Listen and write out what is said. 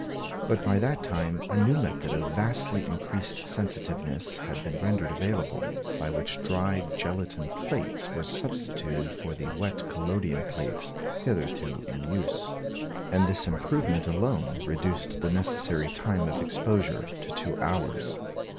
But by that time a new method of vastly increased sensitiveness had been rendered available, by which dry gelatine plates were substituted for the wet collodion plates hitherto in use; and this improvement alone reduced the necessary time of exposure to two hours.